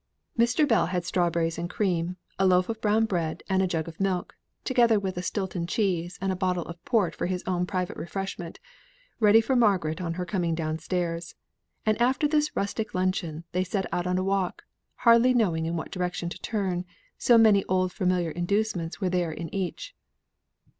Mr. Bell had strawberries and cream, a loaf of brown bread, and a jug of milk (together with a Stilton cheese and a bottle of port for his own private refreshment), ready for Margaret on her coming down stairs; and after this rustic luncheon they set out for a walk, hardly knowing in what direction to turn, so many old familiar inducements were there in each.